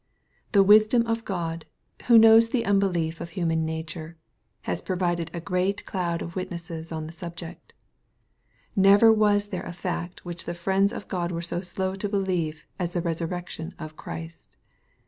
The wisdom of God, who knows the unbelief of human nature, has pro vided a great cloud of witnesses on the subject. Never was there a fact which the friends of God were so slow to believe, as the resurrection of Christ.